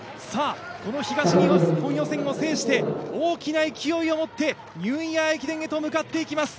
この東日本予選を制して大きな勢いをもってニューイヤー駅伝へと向かっていきます。